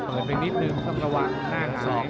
เผื่อไปนิดนึงข้ามกระหวังนั่งหาย